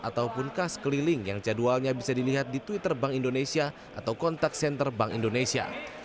ataupun kas keliling yang jadwalnya bisa dilihat di twitter bank indonesia atau kontak senter bank indonesia